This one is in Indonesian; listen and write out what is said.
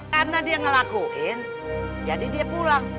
karena dia ngelakuin jadi dia pulang